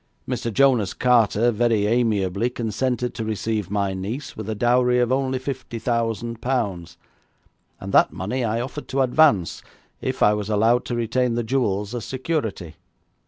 Mr. Jonas Carter very amiably consented to receive my niece with a dowry of only fifty thousand pounds, and that money I offered to advance, if I was allowed to retain the jewels as security.